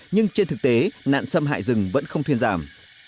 nhưng trên thực tế nạn xâm hại rừng vẫn không thuyên giảm